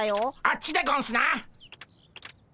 あっちでゴンスな！